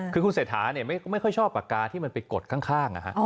คือคุณเศรษฐาไม่ค่อยชอบปากกาที่มันไปกดข้าง